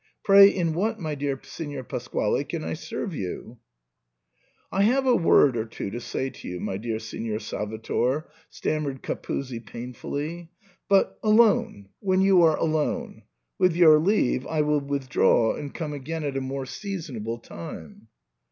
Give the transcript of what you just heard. Pray in what, my dear Signor Pas quale, can I serve you ?"" I have a word or two to say to you, my dear Signor Salvator," stammered Capuzzi painfully, " but — alone — when you are alone. With your leave I will with draw and come again at a more seasonable time."